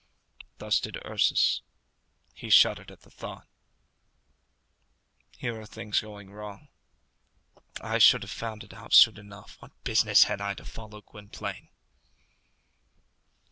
Thus did Ursus. He shuddered as he thought, "Here are things going wrong. I should have found it out soon enough. What business had I to follow Gwynplaine?"